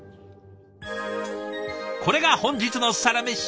これが本日のサラメシ。